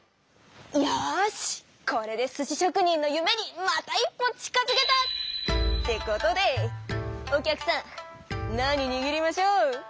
よしこれで寿司しょく人のゆめにまた一歩近づけた！ってことでお客さん何にぎりましょう？